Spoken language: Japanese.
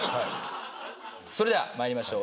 それでは参りましょう。